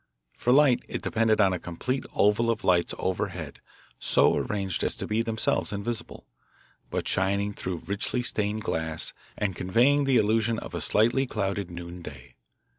For light it depended on a complete oval of lights overhead so arranged as to be themselves invisible, but shining through richly stained glass and conveying the illusion of a slightly clouded noonday.